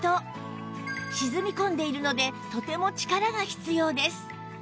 沈み込んでいるのでとても力が必要です